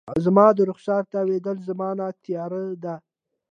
زما د رخساره تاویدله، زمانه تیره ده